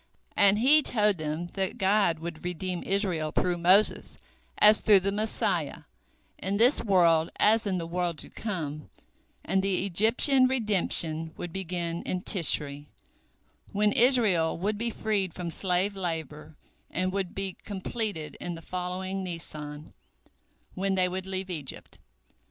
And he told them that God would redeem Israel through Moses as through the Messiah, in this world as in the world to come, and the Egyptian redemption would begin in Tishri, when Israel would be freed from slave labor, and would be completed in the following Nisan, when they would leave Egypt.